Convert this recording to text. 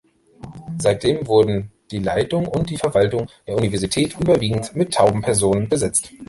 Seitdem wurden die Leitung und die Verwaltung der Universität überwiegend mit tauben Personen besetzt.